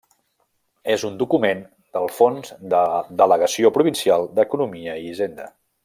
És un document del fons de la Delegació provincial d'Economia i Hisenda.